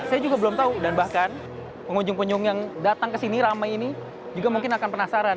saya juga belum tahu dan bahkan pengunjung pengunjung yang datang ke sini ramai ini juga mungkin akan penasaran